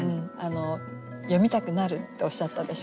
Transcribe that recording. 「読みたくなる」っておっしゃったでしょ？